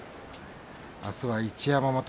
あすは一山本。